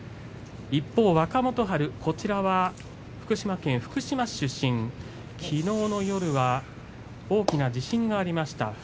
一方若元春、こちらは福島県福島市出身きのうの夜は大きな地震がありました。